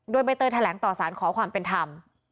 โดยใบเตยแถลงต่อสารขอความเป็นธรรม